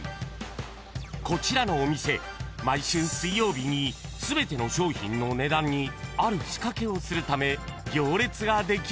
［こちらのお店毎週水曜日に全ての商品の値段にある仕掛けをするため行列ができるんだそう］